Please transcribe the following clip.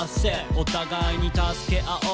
「お互いに助け合おう